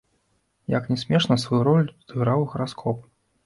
Як ні смешна, сваю ролю тут адыграў і гараскоп.